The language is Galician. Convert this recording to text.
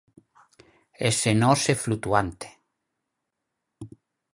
Ese nós é flutuante.